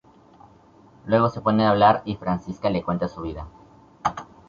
Luego se ponen a hablar y Franziska le cuenta su vida.